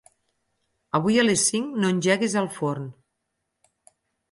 Avui a les cinc no engeguis el forn.